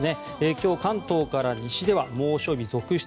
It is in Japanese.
今日、関東から西では猛暑日続出。